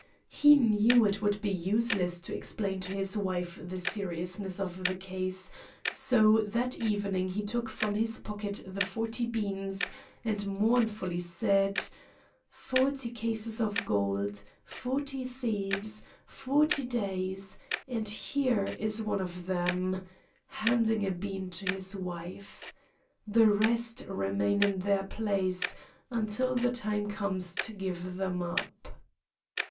He knew it would be useless to explain to his wife the seriousness of the case, so that evening he took from his pocket the forty beans and mournfully said: "Forty cases of gold, forty thieves, forty days; and here is one of them," handing a bean to his wife. "The rest remain in their place until the time comes to give them up."